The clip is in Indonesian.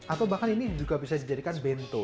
atau bahkan ini juga bisa dijadikan bento